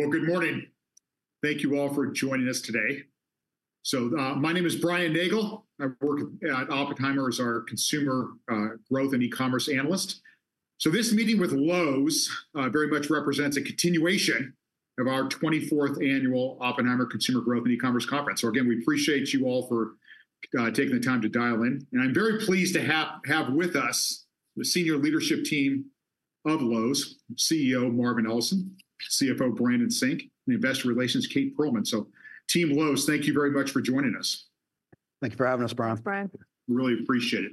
Well, good morning. Thank you all for joining us today. So, my name is Brian Nagel. I work at Oppenheimer as our consumer growth and e-commerce analyst. So this meeting with Lowe's very much represents a continuation of our 24th Annual Oppenheimer Consumer Growth and E-commerce Conference. So again, we appreciate you all for taking the time to dial in, and I'm very pleased to have with us the senior leadership team of Lowe's, CEO Marvin Ellison, CFO Brandon Sink, and Investor Relations Kate Pearlman. So Team Lowe's, thank you very much for joining us. Thank you for having us, Brian. Thanks, Brian. Really appreciate it.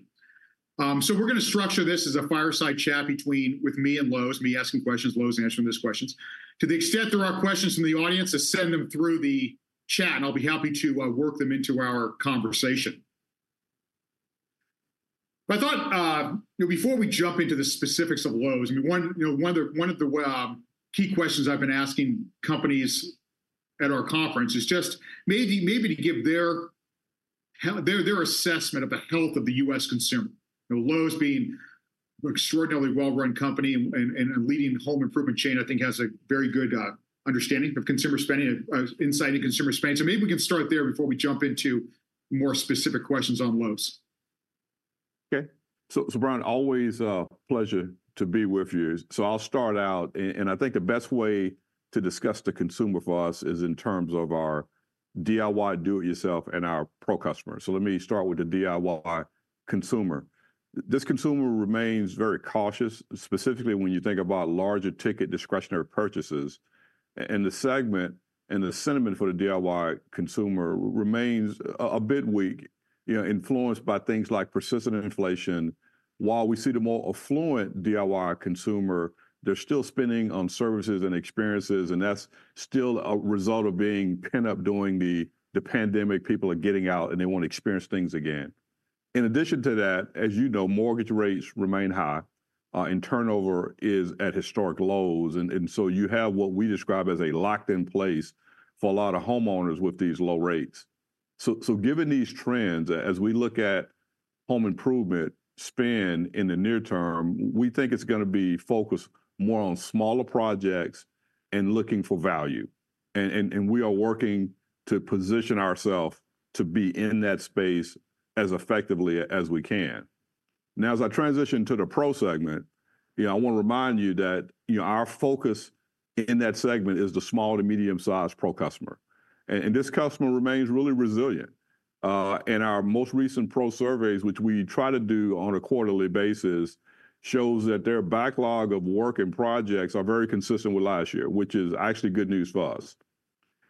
So we're gonna structure this as a fireside chat between me and Lowe's, me asking questions, Lowe's answering those questions. To the extent there are questions from the audience, just send them through the chat, and I'll be happy to work them into our conversation. I thought, you know, before we jump into the specifics of Lowe's, I mean, one of the key questions I've been asking companies at our conference is just maybe to give their assessment of the health of the U.S. consumer. You know, Lowe's being an extraordinarily well-run company and a leading home improvement chain, I think has a very good understanding of consumer spending, insight into consumer spending. So maybe we can start there before we jump into more specific questions on Lowe's. Okay. So, Brian, always a pleasure to be with you. So I'll start out, and I think the best way to discuss the consumer for us is in terms of our DIY, do it yourself, and our pro customer. So let me start with the DIY consumer. This consumer remains very cautious, specifically when you think about larger ticket discretionary purchases. And the segment and the sentiment for the DIY consumer remains a bit weak, you know, influenced by things like persistent inflation. While we see the more affluent DIY consumer, they're still spending on services and experiences, and that's still a result of being pent up during the pandemic. People are getting out, and they want to experience things again. In addition to that, as you know, mortgage rates remain high, and turnover is at historic lows, and so you have what we describe as a locked in place for a lot of homeowners with these low rates. So given these trends, as we look at home improvement spend in the near term, we think it's gonna be focused more on smaller projects and looking for value, and we are working to position ourselves to be in that space as effectively as we can. Now, as I transition to the pro segment, you know, I wanna remind you that, you know, our focus in that segment is the small to medium-sized pro customer, and this customer remains really resilient. In our most recent pro surveys, which we try to do on a quarterly basis, shows that their backlog of work and projects are very consistent with last year, which is actually good news for us.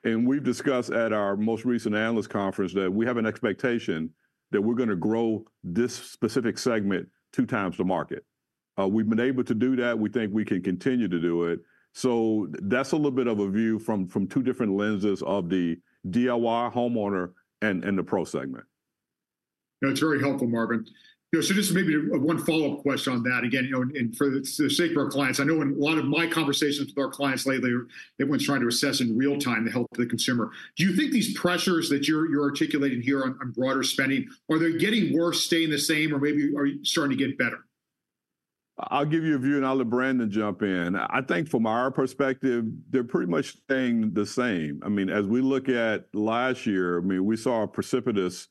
And we've discussed at our most recent analyst conference that we have an expectation that we're gonna grow this specific segment two times the market. We've been able to do that. We think we can continue to do it. So that's a little bit of a view from two different lenses of the DIY homeowner and the pro segment. That's very helpful, Marvin. You know, so just maybe one follow-up question on that again, you know, and for the sake of our clients, I know in a lot of my conversations with our clients lately, everyone's trying to assess in real time the health of the consumer. Do you think these pressures that you're articulating here on broader spending, are they getting worse, staying the same, or maybe are starting to get better? I'll give you a view, and I'll let Brandon jump in. I think from our perspective, they're pretty much staying the same. I mean, as we look at last year, I mean, we saw a precipitous,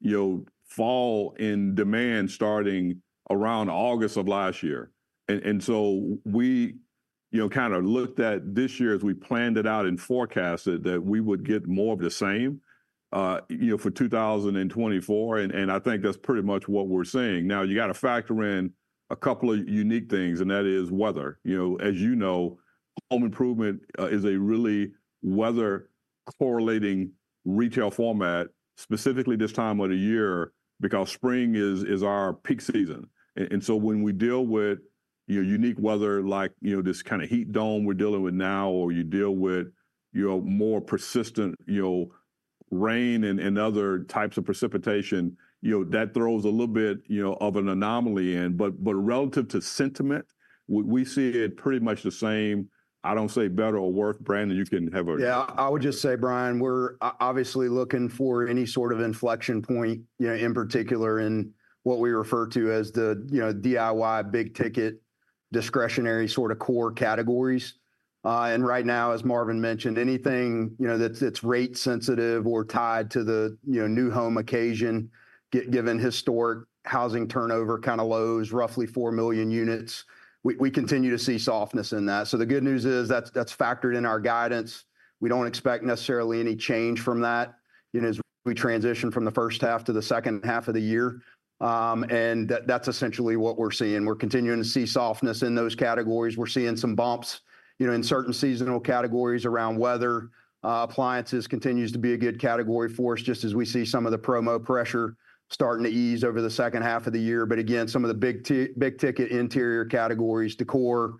you know, fall in demand starting around August of last year. And so we, you know, kind of looked at this year as we planned it out and forecasted that we would get more of the same, you know, for 2024, and I think that's pretty much what we're seeing. Now, you gotta factor in a couple of unique things, and that is weather. You know, as you know, home improvement is a really weather-correlating retail format, specifically this time of the year, because spring is our peak season. And so when we deal with, you know, unique weather, like, you know, this kind of heat dome we're dealing with now, or you deal with, you know, more persistent, you know, rain and other types of precipitation, you know, that throws a little bit, you know, of an anomaly in. But relative to sentiment, we see it pretty much the same, I don't say better or worse. Brandon, you can have a- Yeah, I would just say, Brian, we're obviously looking for any sort of inflection point, you know, in particular in what we refer to as the, you know, DIY big ticket, discretionary sort of core categories. And right now, as Marvin mentioned, anything, you know, that's, that's rate sensitive or tied to the, you know, new home occasion, given historic housing turnover kind of lows, roughly four million units, we, we continue to see softness in that. So the good news is, that's, that's factored in our guidance. We don't expect necessarily any change from that, you know, as we transition from the first half to the second half of the year. And that's essentially what we're seeing. We're continuing to see softness in those categories. We're seeing some bumps, you know, in certain seasonal categories around weather. Appliances continues to be a good category for us, just as we see some of the promo pressure starting to ease over the second half of the year. But again, some of the big ticket interior categories, decor,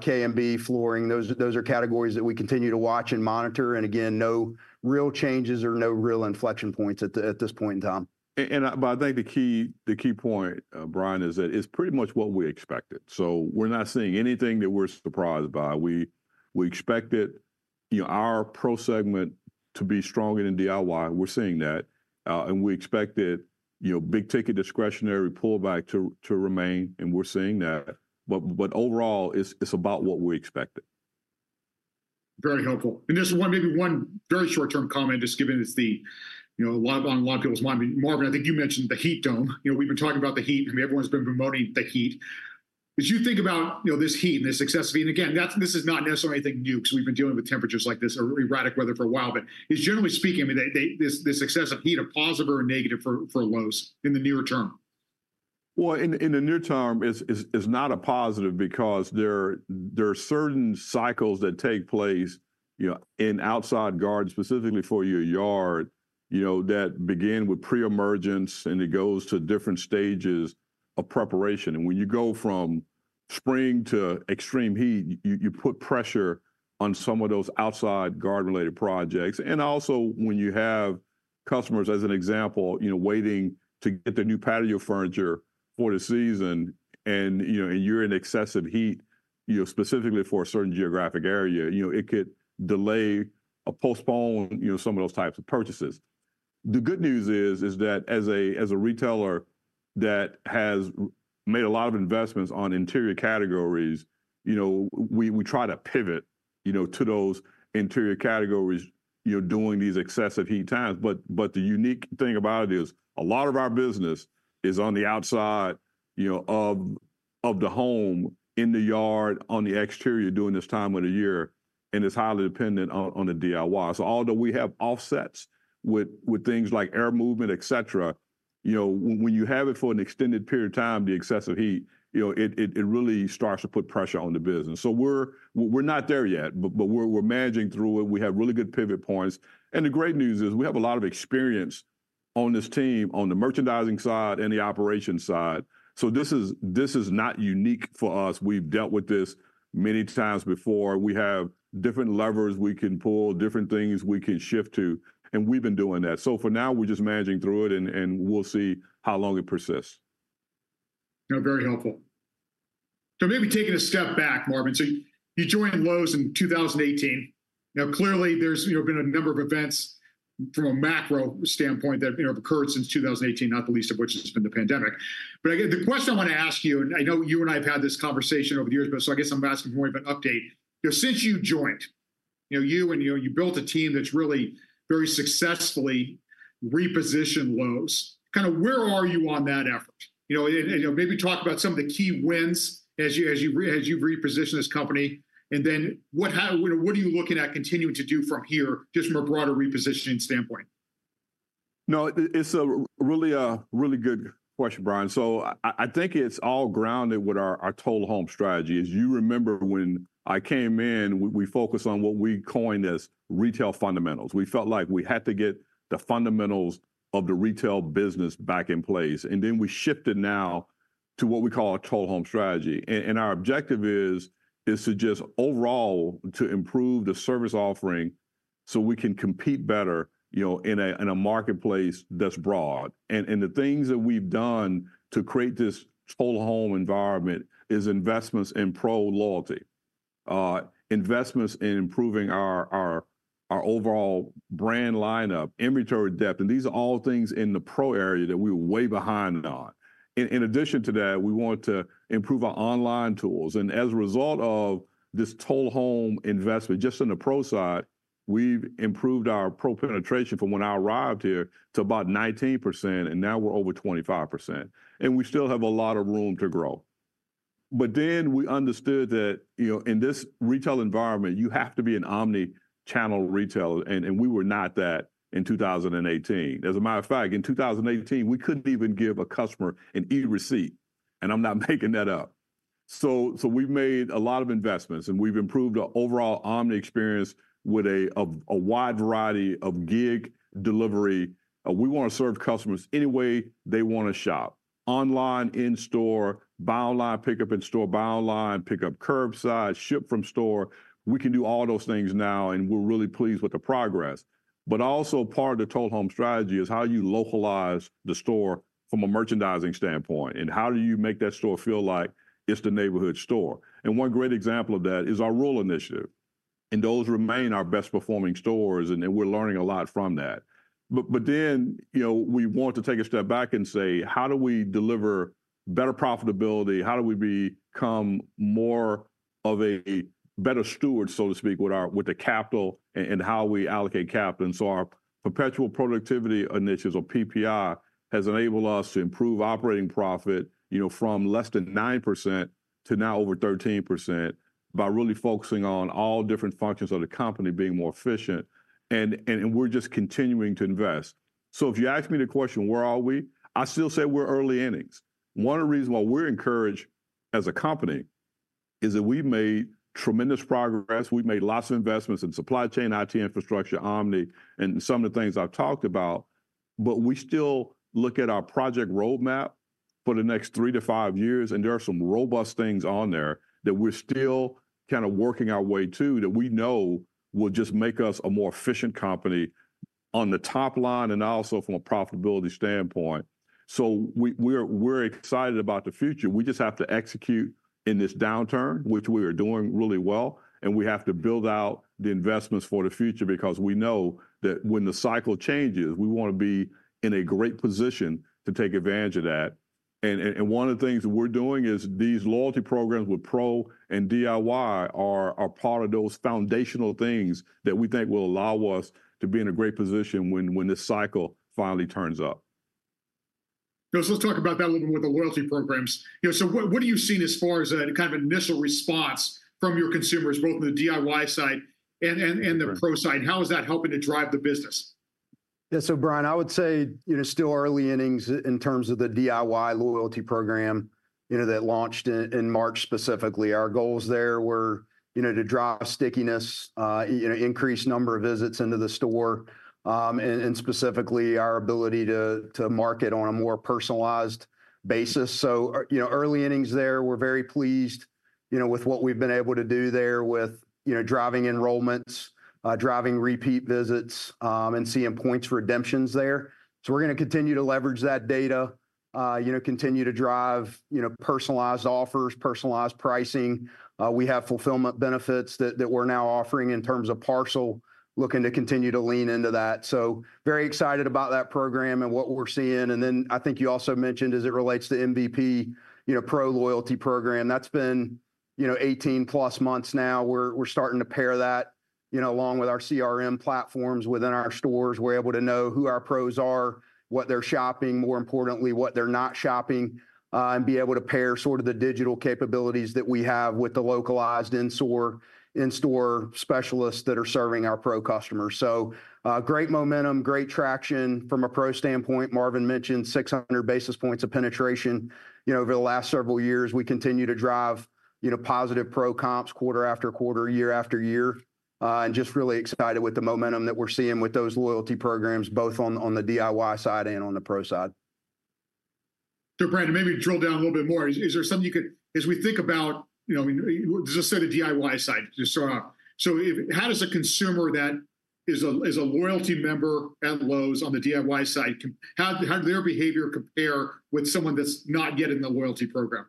K&B, flooring, those are categories that we continue to watch and monitor, and again, no real changes or no real inflection points at this point in time. But I think the key, the key point, Brian, is that it's pretty much what we expected. So we're not seeing anything that we're surprised by. We expected, you know, our pro segment to be stronger in DIY. We're seeing that. And we expected, you know, big-ticket discretionary pullback to remain, and we're seeing that. But overall, it's about what we expected. Very helpful. Just one, maybe one very short-term comment, just given it's the, you know, a lot on a lot of people's mind. Marvin, I think you mentioned the heat dome. You know, we've been talking about the heat, and everyone's been promoting the heat. As you think about, you know, this heat and this excessive heat, and again, that's this is not necessarily anything new, because we've been dealing with temperatures like this or erratic weather for a while, but just generally speaking, I mean, they this excessive heat, a positive or a negative for Lowe's in the nearer term? Well, in the near term, it's not a positive, because there are certain cycles that take place, you know, in outside garden, specifically for your yard, you know, that begin with pre-emergence, and it goes to different stages of preparation. When you go from spring to extreme heat, you put pressure on some of those outside garden-related projects. Also, when you have customers, as an example, you know, waiting to get their new patio furniture for the season, you know, you're in excessive heat, you know, specifically for a certain geographic area, you know, it could delay or postpone, you know, some of those types of purchases. The good news is that as a retailer that has made a lot of investments on interior categories, you know, we try to pivot, you know, to those interior categories, you know, during these excessive heat times. But the unique thing about it is, a lot of our business is on the outside, you know, of the home, in the yard, on the exterior during this time of the year, and it's highly dependent on the DIY. So although we have offsets with things like air movement, et cetera, you know, when you have it for an extended period of time, the excessive heat, you know, it really starts to put pressure on the business. So we're not there yet, but we're managing through it. We have really good pivot points. The great news is, we have a lot of experience on this team, on the merchandising side and the operations side. This is not unique for us. We've dealt with this many times before. We have different levers we can pull, different things we can shift to, and we've been doing that. For now, we're just managing through it, and we'll see how long it persists. No, very helpful. So maybe taking a step back, Marvin, so you joined Lowe's in 2018. Now, clearly there's, you know, been a number of events from a macro standpoint that, you know, have occurred since 2018, not the least of which has been the pandemic. But again, the question I want to ask you, and I know you and I have had this conversation over the years, but so I guess I'm asking for more of an update. You know, since you joined, you know, you built a team that's really very successfully repositioned Lowe's. Kind of where are you on that effort? You know, you know, maybe talk about some of the key wins as you've repositioned this company, and then what are you looking at continuing to do from here, just from a broader repositioning standpoint? No, it's a really really good question, Brian. So I think it's all grounded with our Total Home strategy. As you remember, when I came in, we focused on what we coined as retail fundamentals. We felt like we had to get the fundamentals of the retail business back in place, and then we shifted now to what we call our Total Home strategy. And our objective is to just overall to improve the service offering, so we can compete better, you know, in a marketplace that's broad. And the things that we've done to create this Total Home environment is investments in pro loyalty, investments in improving our overall brand lineup, inventory depth, and these are all things in the pro area that we were way behind on. In addition to that, we wanted to improve our online tools, and as a result of this Total Home investment, just on the pro side, we've improved our pro penetration from when I arrived here to about 19%, and now we're over 25%, and we still have a lot of room to grow. But then we understood that, you know, in this retail environment, you have to be an omnichannel retailer, and we were not that in 2018. As a matter of fact, in 2018, we couldn't even give a customer an e-receipt, and I'm not making that up. So we've made a lot of investments, and we've improved our overall omni experience with a wide variety of gig delivery. We wanna serve customers any way they wanna shop, online, in-store, buy online, pick up in store, buy online, pick up curbside, ship from store. We can do all those things now, and we're really pleased with the progress. But also part of the Total Home strategy is how you localize the store from a merchandising standpoint, and how do you make that store feel like it's the neighborhood store? And one great example of that is our rural initiative, and those remain our best performing stores, and we're learning a lot from that. But then, you know, we want to take a step back and say: How do we deliver better profitability? How do we become more of a better steward, so to speak, with the capital and how we allocate capital? So our perpetual productivity initiatives, or PPI, has enabled us to improve operating profit, you know, from less than 9% to now over 13%, by really focusing on all different functions of the company being more efficient, and, and, and we're just continuing to invest. So if you ask me the question, where are we? I still say we're early innings. One of the reasons why we're encouraged as a company is that we've made tremendous progress. We've made lots of investments in supply chain, IT infrastructure, omni, and some of the things I've talked about, but we still look at our project roadmap for the next three to five years, and there are some robust things on there that we're still kind of working our way to, that we know will just make us a more efficient company on the top line, and also from a profitability standpoint. So we're excited about the future. We just have to execute in this downturn, which we are doing really well, and we have to build out the investments for the future, because we know that when the cycle changes, we wanna be in a great position to take advantage of that. And one of the things that we're doing is these loyalty programs with Pro and DIY are part of those foundational things that we think will allow us to be in a great position when this cycle finally turns up. Let's talk about that a little bit with the loyalty programs. You know, so what are you seeing as far as a kind of initial response from your consumers, both in the DIY side and the Pro side? How is that helping to drive the business? Yeah, so Brian, I would say, you know, still early innings in terms of the DIY loyalty program, you know, that launched in March, specifically. Our goals there were, you know, to drive stickiness, you know, increase number of visits into the store, and specifically, our ability to market on a more personalized basis. So, early innings there. We're very pleased, you know, with what we've been able to do there with, you know, driving enrollments, driving repeat visits, and seeing points redemptions there. So we're gonna continue to leverage that data, you know, continue to drive, you know, personalized offers, personalized pricing. We have fulfillment benefits that we're now offering in terms of parcel, looking to continue to lean into that. So very excited about that program and what we're seeing. And then I think you also mentioned as it relates to MVP, you know, Pro loyalty program, that's been, you know, 18+ months now. We're, we're starting to pair that, you know, along with our CRM platforms within our stores. We're able to know who our Pros are, what they're shopping, more importantly, what they're not shopping, and be able to pair sort of the digital capabilities that we have with the localized in-store, in-store specialists that are serving our Pro customers. So, great momentum, great traction from a Pro standpoint. Marvin mentioned 600 basis points of penetration. You know, over the last several years, we continue to drive, you know, positive Pro comps quarter after quarter, year after year, and just really excited with the momentum that we're seeing with those loyalty programs, both on, on the DIY side and on the Pro side. So, Brandon, maybe drill down a little bit more. Is there something you could, as we think about, you know, I mean, just say the DIY side to start off. So, how does a consumer that is a loyalty member at Lowe's on the DIY side, how did their behavior compare with someone that's not yet in the loyalty program?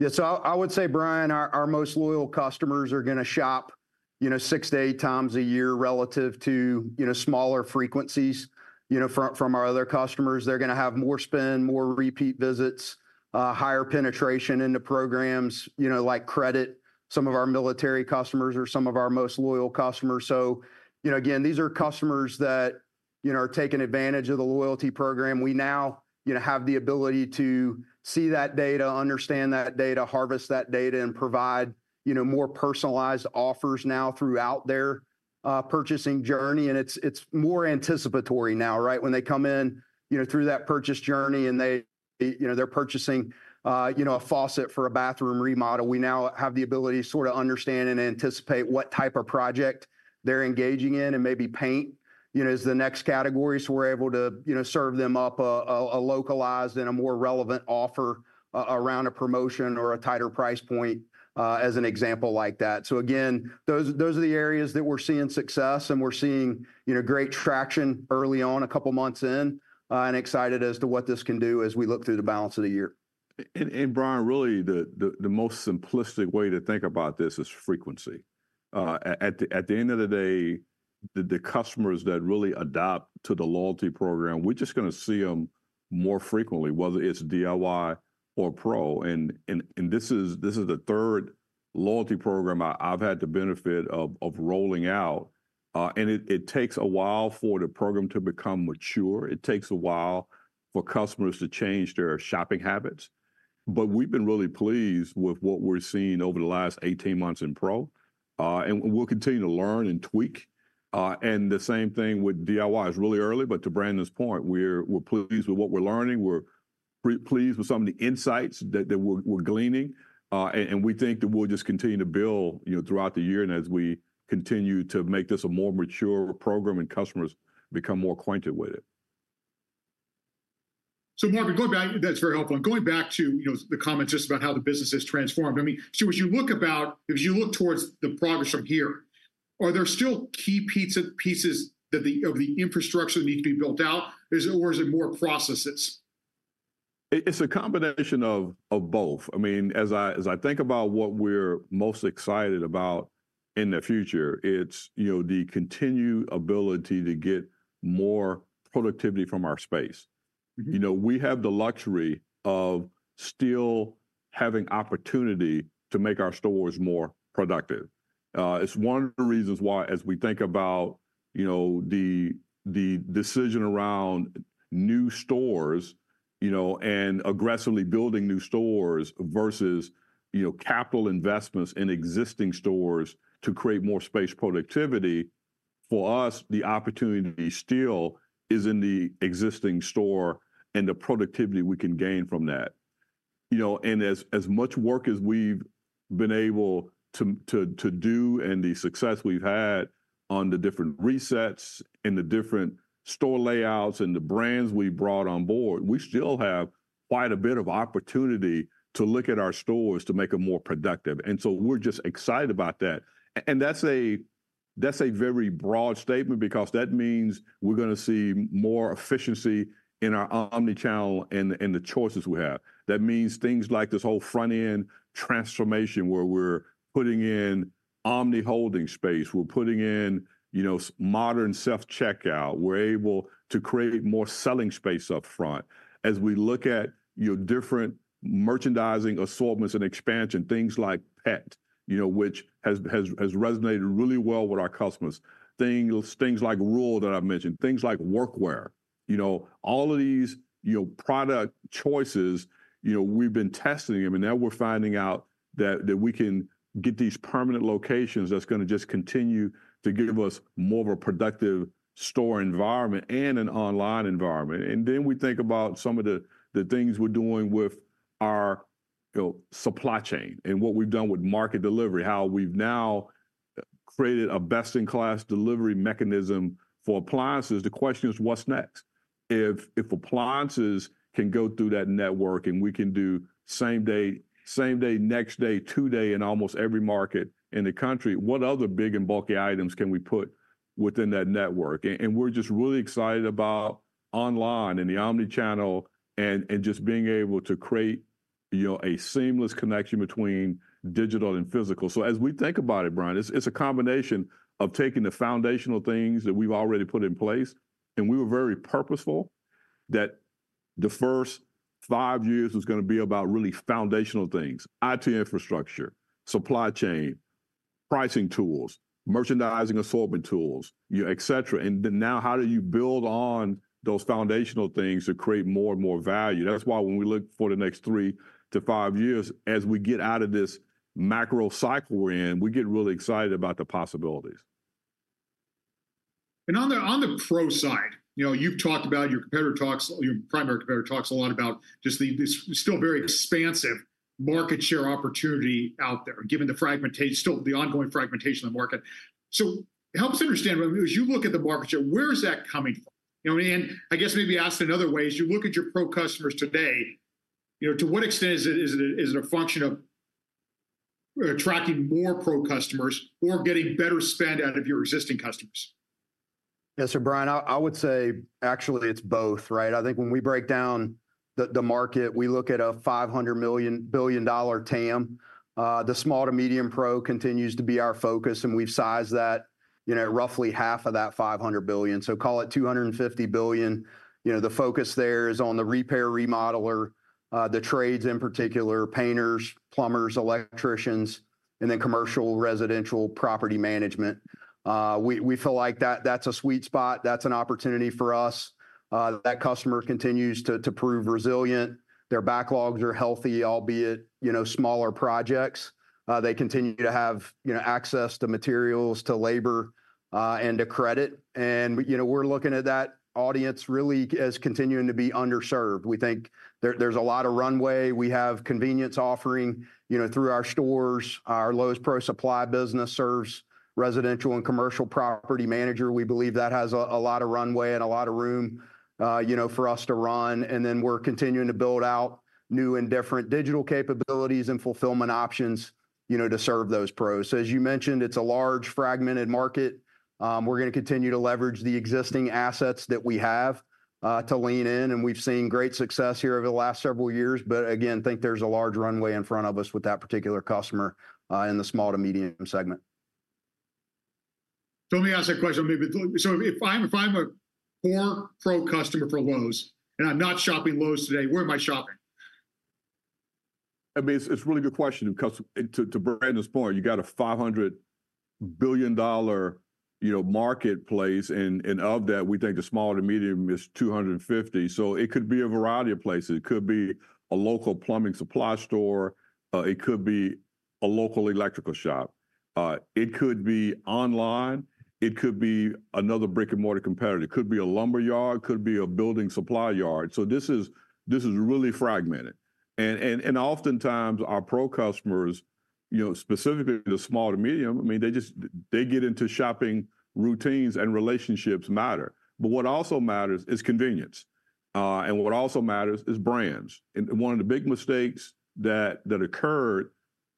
Yeah, so I, I would say, Brian, our, our most loyal customers are gonna shop, you know, 6-8 times a year relative to, you know, smaller frequencies, you know, from, from our other customers. They're gonna have more spend, more repeat visits, higher penetration into programs, you know, like credit. Some of our military customers are some of our most loyal customers. So, you know, again, these are customers that, you know, are taking advantage of the loyalty program. We now, you know, have the ability to see that data, understand that data, harvest that data, and provide, you know, more personalized offers now throughout their purchasing journey, and it's, it's more anticipatory now, right? When they come in, you know, through that purchase journey, and they, you know, they're purchasing, you know, a faucet for a bathroom remodel, we now have the ability to sort of understand and anticipate what type of project they're engaging in, and maybe paint, you know, is the next category. So we're able to, you know, serve them up a localized and a more relevant offer around a promotion or a tighter price point, as an example like that. So again, those are the areas that we're seeing success, and we're seeing, you know, great traction early on, a couple months in, and excited as to what this can do as we look through the balance of the year. Brian, really, the most simplistic way to think about this is frequency. At the end of the day, the customers that really adopt to the loyalty program, we're just gonna see them more frequently, whether it's DIY or Pro. And this is the third loyalty program I've had the benefit of rolling out, and it takes a while for the program to become mature. It takes a while for customers to change their shopping habits, but we've been really pleased with what we're seeing over the last 18 months in Pro, and we'll continue to learn and tweak. And the same thing with DIY. It's really early, but to Brandon's point, we're pleased with what we're learning. We're pleased with some of the insights that we're gleaning. We think that we'll just continue to build, you know, throughout the year and as we continue to make this a more mature program and customers become more acquainted with it. So Marvin, going back, that's very helpful, and going back to, you know, the comments just about how the business has transformed. I mean, so as you look about, as you look towards the progress from here, are there still key pieces of the infrastructure that need to be built out, or is it more processes? It's a combination of both. I mean, as I think about what we're most excited about in the future, it's, you know, the continued ability to get more productivity from our space. Mm-hmm. You know, we have the luxury of still having opportunity to make our stores more productive. It's one of the reasons why, as we think about, you know, the decision around new stores, you know, and aggressively building new stores versus, you know, capital investments in existing stores to create more space productivity, for us, the opportunity still is in the existing store and the productivity we can gain from that. You know, and as much work as we've been able to to do and the success we've had on the different resets, and the different store layouts, and the brands we've brought on board, we still have quite a bit of opportunity to look at our stores to make them more productive, and so we're just excited about that. And that's a, that's a very broad statement because that means we're gonna see more efficiency in our omnichannel and the choices we have. That means things like this whole front-end transformation, where we're putting in omni holding space. We're putting in, you know, modern self-checkout. We're able to create more selling space up front. As we look at, you know, different merchandising assortments and expansion, things like pet, you know, which has resonated really well with our customers. Things like rural that I've mentioned, things like workwear. You know, all of these, you know, product choices, you know, we've been testing them, and now we're finding out that we can get these permanent locations that's gonna just continue to give us more of a productive store environment and an online environment. And then we think about some of the, the things we're doing with our, you know, supply chain and what we've done with market delivery, how we've now created a best-in-class delivery mechanism for appliances. The question is, what's next? If, if appliances can go through that network, and we can do same-day, same-day, next-day, two-day in almost every market in the country, what other big and bulky items can we put within that network? And we're just really excited about online and the omni-channel and, and just being able to create, you know, a seamless connection between digital and physical. So as we think about it, Brian, it's, it's a combination of taking the foundational things that we've already put in place. We were very purposeful that the first five years was gonna be about really foundational things: IT infrastructure, supply chain, pricing tools, merchandising assortment tools, you know, et cetera. Then now how do you build on those foundational things to create more and more value? That's why when we look for the next 3 to 5 years, as we get out of this macro cycle we're in, we get really excited about the possibilities. On the pro side, you know, you've talked about, your primary competitor talks a lot about just the still very expansive market share opportunity out there, given the still ongoing fragmentation of the market. So help us understand, as you look at the market share, where is that coming from? You know, and I guess maybe asked another way, as you look at your pro customers today, you know, to what extent is it a function of attracting more pro customers or getting better spend out of your existing customers? Yeah, so Brian, I would say actually it's both, right? I think when we break down the market, we look at a $500 billion TAM. The small to medium pro continues to be our focus, and we've sized that, you know, at roughly half of that $500 billion, so call it $250 billion. You know, the focus there is on the repair, remodeler, the trades in particular, painters, plumbers, electricians, and then commercial, residential, property management. We feel like that, that's a sweet spot. That's an opportunity for us. That customer continues to prove resilient. Their backlogs are healthy, albeit, you know, smaller projects. They continue to have, you know, access to materials, to labor, and to credit. And, you know, we're looking at that audience really as continuing to be underserved. We think there's a lot of runway. We have convenience offering, you know, through our stores. Our Lowe's Pro Supply business serves residential and commercial property manager. We believe that has a lot of runway and a lot of room, you know, for us to run. And then we're continuing to build out new and different digital capabilities and fulfillment options, you know, to serve those pros. So as you mentioned, it's a large, fragmented market. We're gonna continue to leverage the existing assets that we have, to lean in, and we've seen great success here over the last several years. But again, think there's a large runway in front of us with that particular customer, in the small to medium segment. So let me ask that question maybe. So if I'm, if I'm a core Pro customer for Lowe's, and I'm not shopping Lowe's today, where am I shopping? I mean, it's, it's a really good question because, and to, to Brandon's point, you got a $500 billion, you know, marketplace, and, and of that, we think the small to medium is $250 billion. So it could be a variety of places. It could be a local plumbing supply store, it could be a local electrical shop, it could be online, it could be another brick-and-mortar competitor. It could be a lumber yard, could be a building supply yard, so this is, this is really fragmented. And, and, and oftentimes, our pro customers, you know, specifically the small to medium, I mean, they just, they get into shopping routines, and relationships matter. But what also matters is convenience, and what also matters is brands. One of the big mistakes that occurred,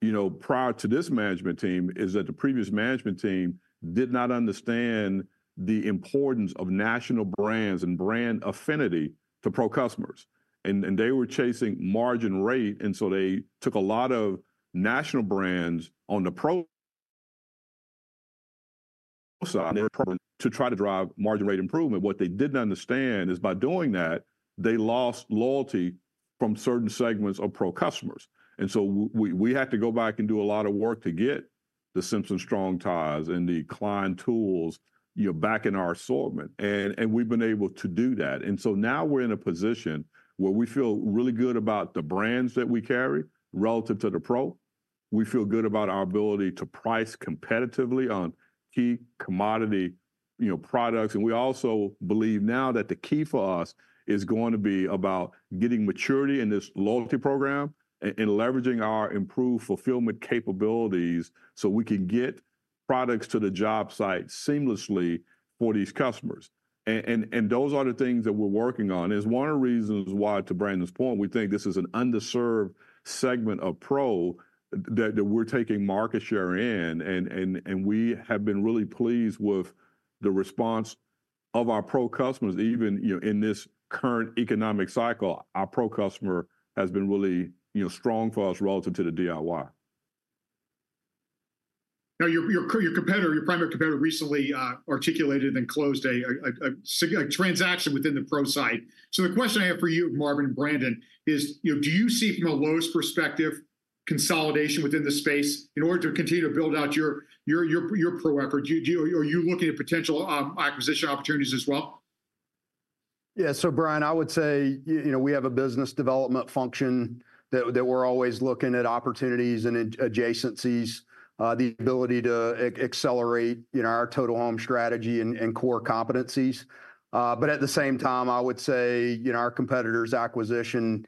you know, prior to this management team is that the previous management team did not understand the importance of national brands and brand affinity to pro customers. And they were chasing margin rate, and so they took a lot of national brands on the pro side to try to drive margin rate improvement. What they didn't understand is by doing that, they lost loyalty from certain segments of pro customers. And so we had to go back and do a lot of work to get the Simpson Strong-Tie and the Klein Tools, you know, back in our assortment, and we've been able to do that. And so now we're in a position where we feel really good about the brands that we carry relative to the pro. We feel good about our ability to price competitively on key commodity, you know, products. And we also believe now that the key for us is going to be about getting maturity in this loyalty program and leveraging our improved fulfillment capabilities, so we can get products to the job site seamlessly for these customers. And those are the things that we're working on, and it's one of the reasons why, to Brandon's point, we think this is an underserved segment of pro that we're taking market share in. And we have been really pleased with the response of our pro customers, even, you know, in this current economic cycle, our pro customer has been really, you know, strong for us relative to the DIY. Now, your competitor, your primary competitor recently articulated and closed a significant transaction within the pro side. So the question I have for you, Marvin and Brandon, is, you know, do you see from a Lowe's perspective, consolidation within the space in order to continue to build out your pro effort? Are you looking at potential acquisition opportunities as well? Yeah, so Brian, I would say, you know, we have a business development function that, that we're always looking at opportunities and adjacencies, the ability to accelerate, you know, our total home strategy and core competencies. But at the same time, I would say, you know, our competitor's acquisition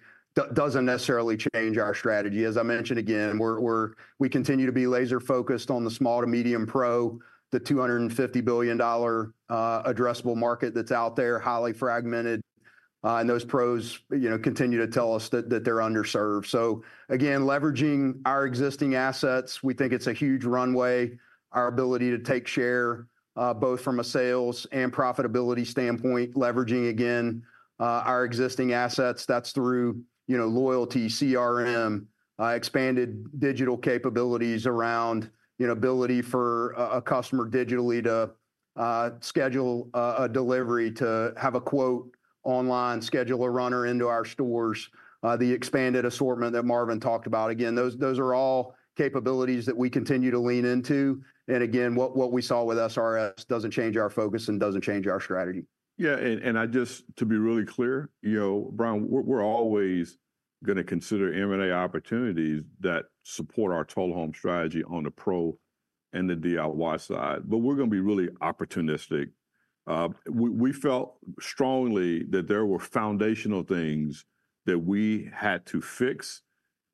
doesn't necessarily change our strategy. As I mentioned again, we continue to be laser focused on the small to medium pro, the $250 billion addressable market that's out there, highly fragmented, and those pros, you know, continue to tell us that, that they're underserved. So again, leveraging our existing assets, we think it's a huge runway. Our ability to take share, both from a sales and profitability standpoint, leveraging again, our existing assets, that's through, you know, loyalty, CRM, expanded digital capabilities around, you know, ability for a customer digitally to schedule a delivery, to have a quote online, schedule a runner into our stores, the expanded assortment that Marvin talked about. Again, those, those are all capabilities that we continue to lean into. And again, what, what we saw with SRS doesn't change our focus and doesn't change our strategy. Yeah, and I just to be really clear, you know, Brian, we're always gonna consider M&A opportunities that support our Total Home strategy on the Pro and the DIY side, but we're gonna be really opportunistic. We felt strongly that there were foundational things that we had to fix,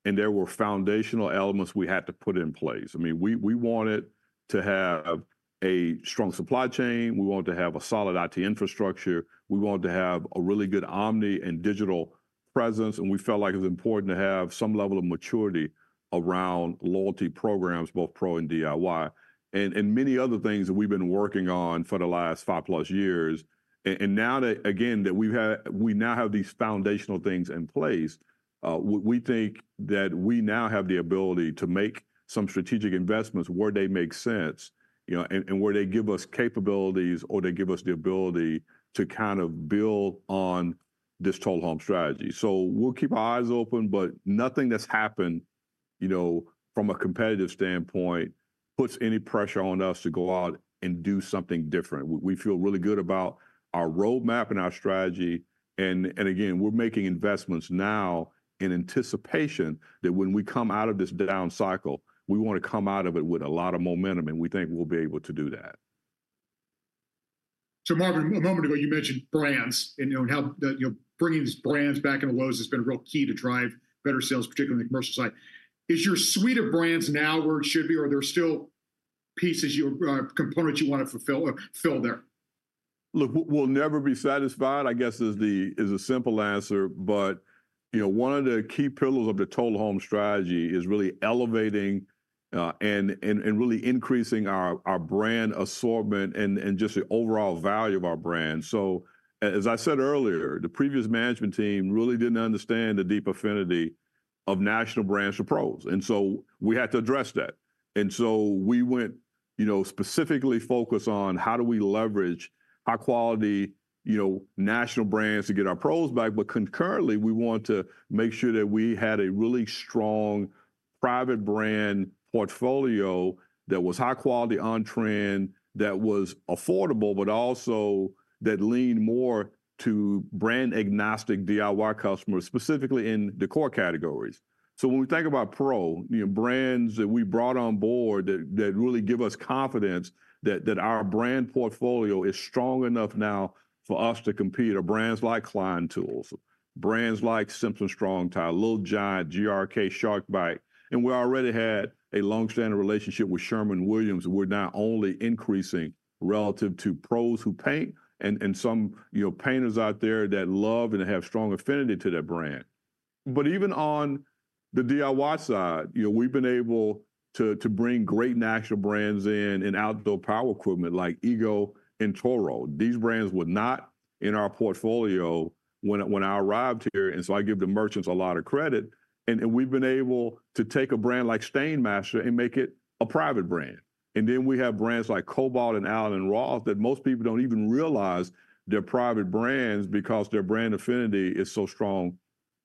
and there were foundational elements we had to put in place. I mean, we wanted to have a strong supply chain, we wanted to have a solid IT infrastructure, we wanted to have a really good omni and digital presence, and we felt like it was important to have some level of maturity around loyalty programs, both Pro and DIY, and many other things that we've been working on for the last 5+ years. And now that, again, that we've had... We now have these foundational things in place. We think that we now have the ability to make some strategic investments where they make sense, you know, and where they give us capabilities, or they give us the ability to kind of build on this Total Home strategy. So we'll keep our eyes open, but nothing that's happened, you know, from a competitive standpoint, puts any pressure on us to go out and do something different. We feel really good about our roadmap and our strategy, and again, we're making investments now in anticipation that when we come out of this down cycle, we wanna come out of it with a lot of momentum, and we think we'll be able to do that. So, Marvin, a moment ago you mentioned brands and, you know, how the, you know, bringing these brands back into Lowe's has been a real key to drive better sales, particularly on the commercial side. Is your suite of brands now where it should be, or are there still pieces you, or, components you want to fulfill or fill there? Look, we'll never be satisfied, I guess, is the simple answer. But, you know, one of the key pillars of the Total Home strategy is really elevating and really increasing our brand assortment and just the overall value of our brand. So as I said earlier, the previous management team really didn't understand the deep affinity of national brands for pros, and so we had to address that. And so we went, you know, specifically focused on: How do we leverage our quality, you know, national brands to get our pros back? But concurrently, we wanted to make sure that we had a really strong private brand portfolio that was high quality, on-trend, that was affordable, but also that leaned more to brand-agnostic DIY customers, specifically in the core categories. So when we think about pro, you know, brands that we brought on board that really give us confidence that our brand portfolio is strong enough now for us to compete, are brands like Klein Tools, brands like Simpson Strong-Tie, Little Giant, GRK, SharkBite, and we already had a long-standing relationship with Sherwin-Williams, that we're now only increasing relative to pros who paint and some, you know, painters out there that love and have strong affinity to that brand. But even on the DIY side, you know, we've been able to bring great national brands in outdoor power equipment like EGO and Toro. These brands were not in our portfolio when I arrived here, and so I give the merchants a lot of credit, and we've been able to take a brand like Stainmaster and make it a private brand. And then we have brands like Kobalt and Allen + Roth that most people don't even realize they're private brands because their brand affinity is so strong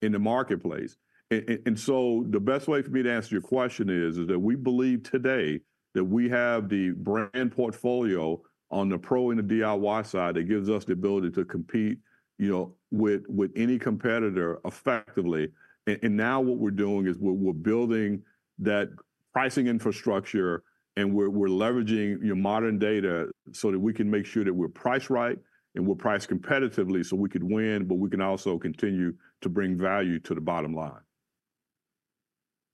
in the marketplace. And so the best way for me to answer your question is that we believe today that we have the brand portfolio on the pro and the DIY side that gives us the ability to compete, you know, with any competitor effectively. And now what we're doing is we're building that pricing infrastructure, and we're leveraging, you know, modern data so that we can make sure that we're priced right, and we're priced competitively so we could win, but we can also continue to bring value to the bottom line.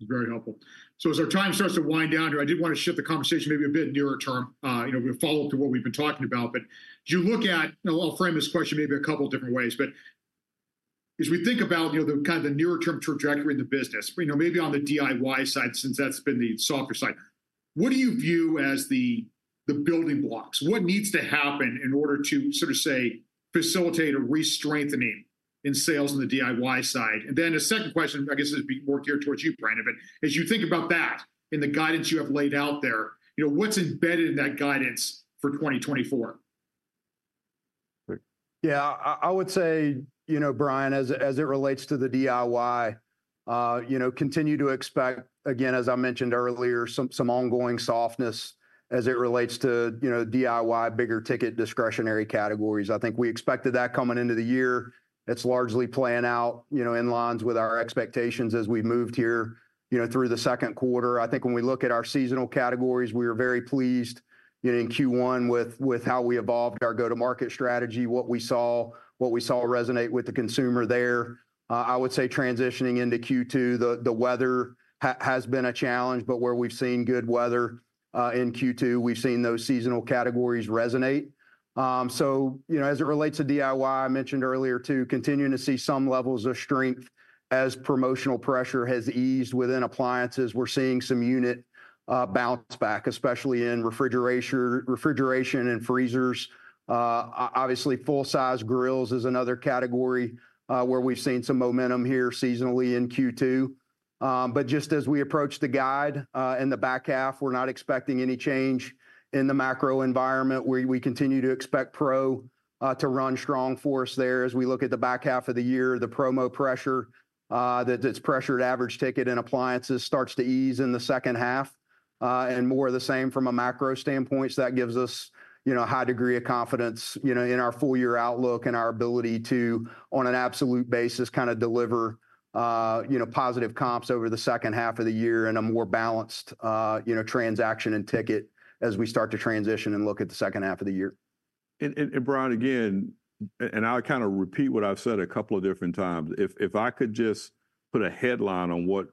Very helpful. So as our time starts to wind down here, I did want to shift the conversation maybe a bit nearer term, you know, we'll follow up to what we've been talking about. But as you look at, and I'll frame this question maybe a couple different ways, but as we think about, you know, the kind of the nearer term trajectory in the business, you know, maybe on the DIY side, since that's been the softer side, what do you view as the building blocks? What needs to happen in order to sort of say, facilitate a re-strengthening in sales on the DIY side? And then a second question, I guess this would be more geared towards you, Brandon, but as you think about that and the guidance you have laid out there, you know, what's embedded in that guidance for 2024? Yeah, I would say, you know, Brian, as it relates to the DIY, you know, continue to expect, again, as I mentioned earlier, some ongoing softness as it relates to, you know, DIY bigger ticket discretionary categories. I think we expected that coming into the year. It's largely playing out, you know, in line with our expectations as we moved here, you know, through the second quarter. I think when we look at our seasonal categories, we are very pleased, you know, in Q1 with how we evolved our go-to-market strategy, what we saw resonate with the consumer there. I would say transitioning into Q2, the weather has been a challenge, but where we've seen good weather, in Q2, we've seen those seasonal categories resonate. So, you know, as it relates to DIY, I mentioned earlier, too, continuing to see some levels of strength as promotional pressure has eased within appliances. We're seeing some unit bounce back, especially in refrigeration, refrigeration and freezers. Obviously, full-size grills is another category where we've seen some momentum here seasonally in Q2. But just as we approach the guide in the back half, we're not expecting any change in the macro environment, where we continue to expect pro to run strong for us there. As we look at the back half of the year, the promo pressure, that, that's pressured average ticket and appliances starts to ease in the second half, and more of the same from a macro standpoint, so that gives us, you know, a high degree of confidence, you know, in our full year outlook and our ability to, on an absolute basis, kind of deliver, you know, positive comps over the second half of the year and a more balanced, you know, transaction and ticket as we start to transition and look at the second half of the year. Brian, again, and I'll kind of repeat what I've said a couple of different times, if I could just put a headline on what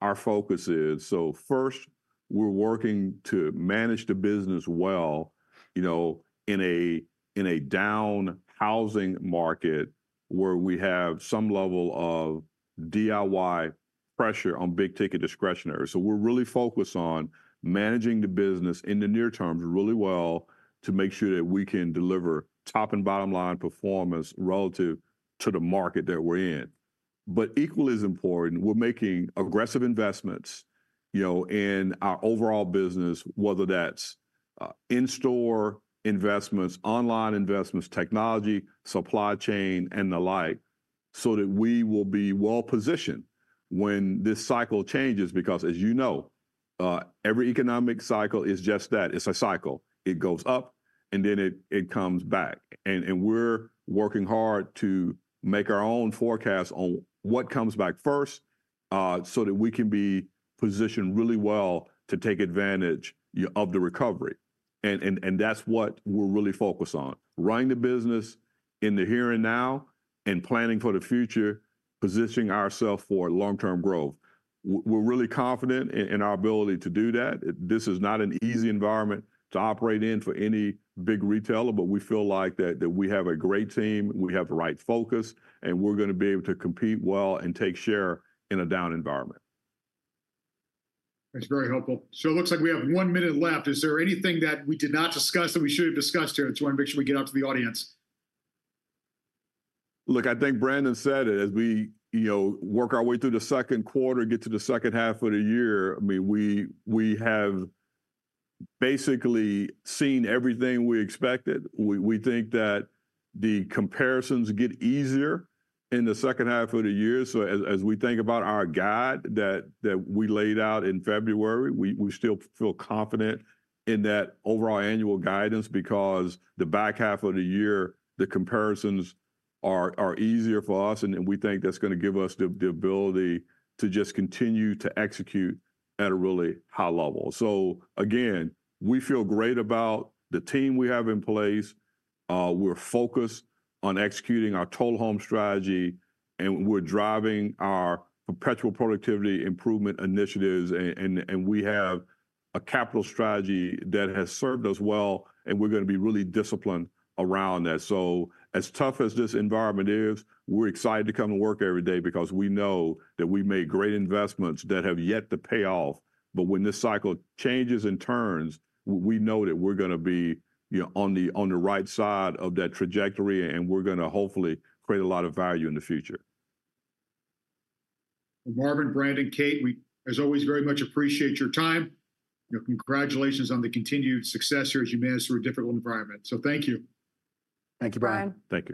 our focus is. So first, we're working to manage the business well, you know, in a down housing market where we have some level of DIY pressure on big ticket discretionary. So we're really focused on managing the business in the near term really well to make sure that we can deliver top and bottom line performance relative to the market that we're in. But equally as important, we're making aggressive investments, you know, in our overall business, whether that's in-store investments, online investments, technology, supply chain, and the like, so that we will be well positioned when this cycle changes, because as you know, every economic cycle is just that. It's a cycle. It goes up, and then it comes back. And we're working hard to make our own forecast on what comes back first, so that we can be positioned really well to take advantage of the recovery. And that's what we're really focused on, running the business in the here and now, and planning for the future, positioning ourselves for long-term growth. We're really confident in our ability to do that. This is not an easy environment to operate in for any big retailer, but we feel like that we have a great team, we have the right focus, and we're gonna be able to compete well and take share in a down environment. That's very helpful. So it looks like we have one minute left. Is there anything that we did not discuss that we should have discussed here, that you want to make sure we get out to the audience? Look, I think Brandon said it. As we, you know, work our way through the second quarter, get to the second half of the year, I mean, we have basically seen everything we expected. We think that the comparisons get easier in the second half of the year. So as we think about our guidance that we laid out in February, we still feel confident in that overall annual guidance because the back half of the year, the comparisons are easier for us, and we think that's gonna give us the ability to just continue to execute at a really high level. So again, we feel great about the team we have in place. We're focused on executing our total home strategy, and we're driving our perpetual productivity improvement initiatives, and we have a capital strategy that has served us well, and we're gonna be really disciplined around that. So as tough as this environment is, we're excited to come to work every day because we know that we made great investments that have yet to pay off. But when this cycle changes and turns, we know that we're gonna be, you know, on the right side of that trajectory, and we're gonna hopefully create a lot of value in the future. Marvin, Brandon, Kate, we, as always, very much appreciate your time. You know, congratulations on the continued success here as you manage through a difficult environment. So thank you. Thank you, Brian. Brian. Thank you.